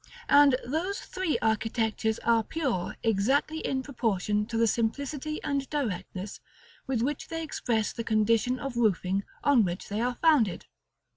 And those three architectures are pure exactly in proportion to the simplicity and directness with which they express the condition of roofing on which they are founded.